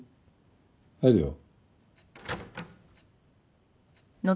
入るよ